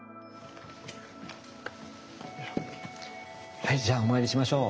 はいじゃあお参りしましょう。